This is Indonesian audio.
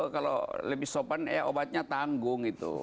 kalau lebih sopan ya obatnya tanggung gitu